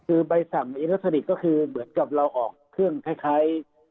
คือใบสั่งอิเล็กทรอนิกส์ก็คือเหมือนกับเราออกเครื่องคล้าย